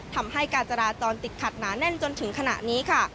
ทำให้การจราจรติดขัดหนาแน่นจนถึงขณะนี้ค่ะ